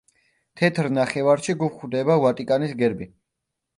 თეთრ ნახევარში გვხვდება ვატიკანის გერბი.